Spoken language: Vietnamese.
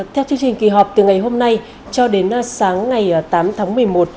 theo chương trình kỳ họp từ ngày hôm nay cho đến sáng ngày tám tháng một mươi một